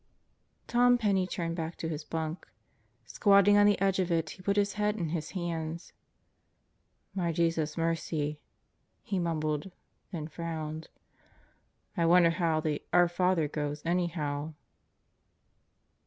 Tom Penney turned back to his bunk. Squatting on the edge of it he put his head in his hands. "My Jesus, mercy!" he mumbled, then frowned. "I wonder how the 'Our Father' goes anyhow."